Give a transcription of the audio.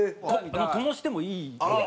ともしてもいい？